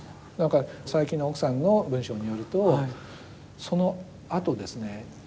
なんか佐伯の奥さんの文章によるとそのあとですね